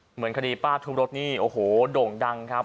เหมือนคดีป้าทุบรถนี่โอ้โหโด่งดังครับ